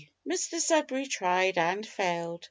Mr Sudberry tried and failed.